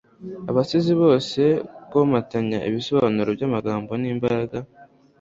abasizi bose komatanya ibisobanuro byamagambo nimbaraga